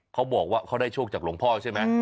เขาบอกว่าเขาได้โชคจากหลวงพ่อใช่ไหม